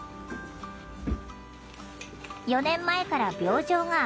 ４年前から病状が悪化。